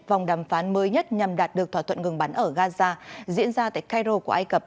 vòng đàm phán mới nhất nhằm đạt được thỏa thuận ngừng bắn ở gaza diễn ra tại cairo của ai cập